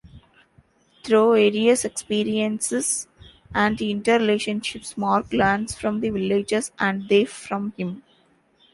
Through various experiences and inter-relationships, Mark learns from the villagers and they from him.